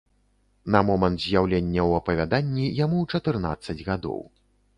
На момант з'яўлення ў апавяданні яму чатырнаццаць гадоў.